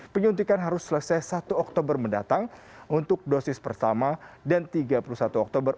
penyuntikan harus selesai satu oktober mendatang untuk dosis pertama dan tiga puluh satu oktober